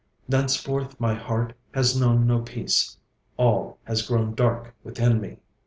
Thenceforth my heart has known no peace, all has grown dark within me!'